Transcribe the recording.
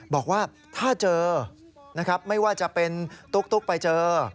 บอกว่าถ้าเจอนะครับไม่ว่าจะเป็นตุ๊กไปเจอ